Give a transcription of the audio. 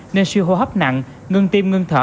nên suy hô hấp nặng ngưng tim ngưng thở